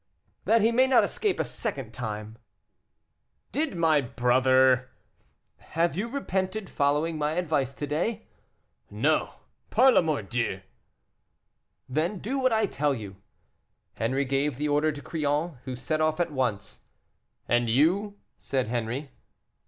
"That he may not escape a second time." "Did my brother " "Have you repented following my advice to day?" "No, par le mordieu." "Then do what I tell you." Henri gave the order to Crillon, who set off at once. "And you?" said Henri.